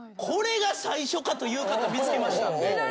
「これが最初か」という方見つけましたんで。